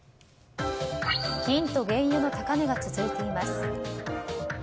金と原油の高値が続いています。